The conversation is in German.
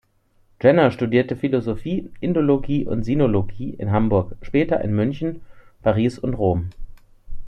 Jenner studierte Philosophie, Indologie und Sinologie in Hamburg, später in München, Paris und Rom.